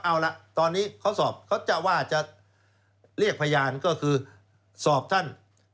เอาละตอนนี้เขาสอบเขาจะว่าจะเรียกพยานก็คือสอบท่าน